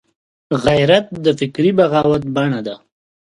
غیرت د فکري بغاوت بڼه ده